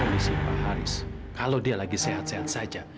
kondisi pak haris kalau dia lagi sehat sehat saja